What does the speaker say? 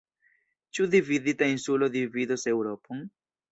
Ĉu dividita insulo dividos Eŭropon?